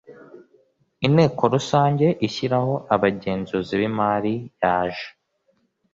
Inteko Rusange ishyiraho abagenzuzi b imari yaje